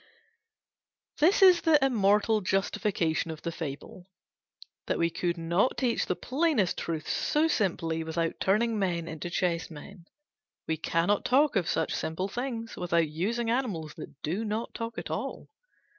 This is the immortal justification of the Fable: that we could not teach the plainest truths so simply without turning men into chessmen. We cannot talk of such simple things without using animals that do not talk at all.